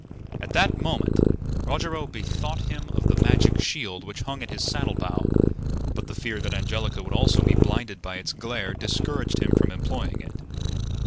At that moment Rogero bethought him of the magic shield which hung at his saddle bow; but the fear that Angelica would also be blinded by its glare discouraged him from employing it.